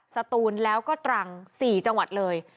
สตูนแล้วก็ตรัง๔จังหวัดเลย